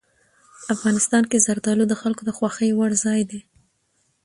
افغانستان کې زردالو د خلکو د خوښې وړ ځای دی.